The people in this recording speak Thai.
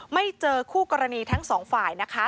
ไม่เจอคู่กรณีทั้งสองฝ่ายนะคะ